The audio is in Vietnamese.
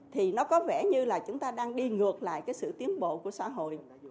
thì nó có vẻ như là chúng ta đang đi ngược lại cái sự tiến bộ của xã hội